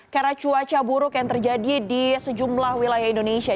karena cuaca buruk yang terjadi di sejumlah wilayah indonesia